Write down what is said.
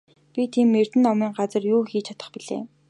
Би тийм эрдэм номын газар юу хийж чадах билээ?